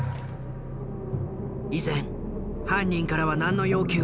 依然犯人からは何の要求もない。